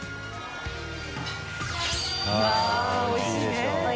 あっおいしいね。